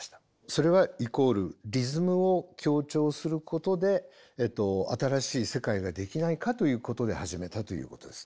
それはイコールリズムを強調することで新しい世界ができないかということで始めたということです。